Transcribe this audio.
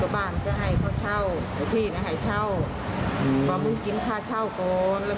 บ้านมึงก็ให้เขากินค่าเช่า